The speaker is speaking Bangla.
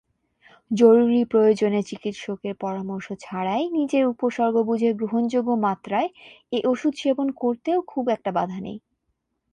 জরুরি প্রয়োজনে চিকিৎসকের পরামর্শ ছাড়াই নিজের উপসর্গ বুঝে গ্রহণযোগ্য মাত্রায় এ ওষুধ সেবন করতেও খুব একটা বাধা নেই।